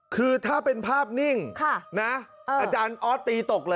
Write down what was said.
คือถ้าเป็นภาพนิ่งอาจารย์ออสตีตกเลย